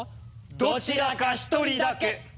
どちらか１人だけ。